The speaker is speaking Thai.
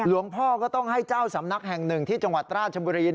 พ่อก็ต้องให้เจ้าสำนักแห่งหนึ่งที่จังหวัดราชบุรี